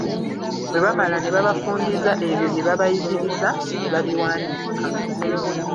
Bwe bamala ne babafundiza ebyo bye babayigirizza, ne babiwandiika.